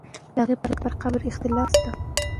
د هغې پر قبر اختلاف نه شته.